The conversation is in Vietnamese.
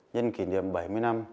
nhân kỷ niệm bảy mươi năm